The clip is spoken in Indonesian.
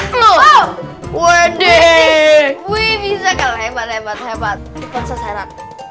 hai loh wdw bisa kelembar lembar hebat